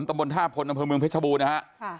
ตำบลท่าพลอำเภอเมืองเพชรบูรณนะฮะ